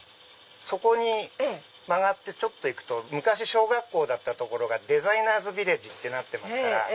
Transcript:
そこに曲がってちょっと行くと昔小学校だった所がデザイナーズビレッジになってますから。